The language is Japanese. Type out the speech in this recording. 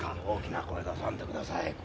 大きな声出さんでください。